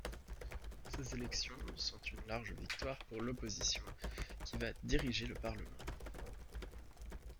Ces élections sont une large victoire pour l'opposition qui va diriger le Parlement.